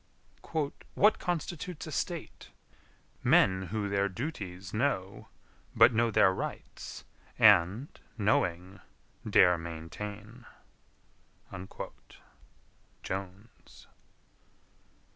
"WHAT constitutes a state? Men who their duties know, But know their rights, and, knowing, Dare maintain." Jones.